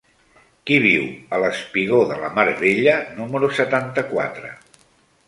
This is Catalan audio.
Qui viu al espigó de la Mar Bella número setanta-quatre?